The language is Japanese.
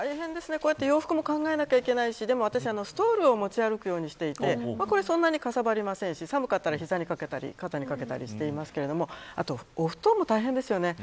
洋服も考えなきゃいけないし私、ストールを持ち歩くようにしていてそんなにかさばりませんし寒くなったら膝にかけたり肩にかけたりしてますがお布団も大変ですよね。